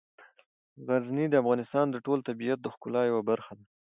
غزني د افغانستان د ټول طبیعت د ښکلا یوه برخه ده.